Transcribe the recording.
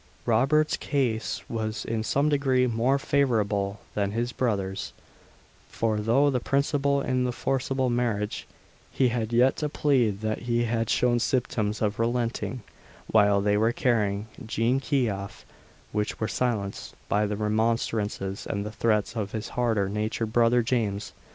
Robert's case was in some degree more favourable than his brother's; for, though the principal in the forcible marriage, he had yet to plead that he had shown symptoms of relenting while they were carrying Jean Key off, which were silenced by the remonstrances and threats of his harder natured brother James.